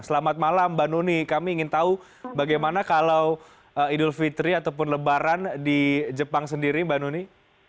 selamat malam mbak nuni kami ingin tahu bagaimana kalau idul fitri ataupun lebaran di jepang sendiri mbak nuni